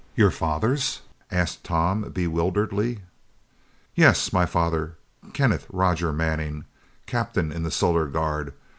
"Your father's?" asked Tom bewilderedly. "Yeah, my father. Kenneth Rogers Manning, Captain in the Solar Guard.